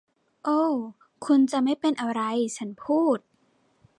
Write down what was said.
โอ้ คุณจะไม่เป็นอะไร ฉันพูด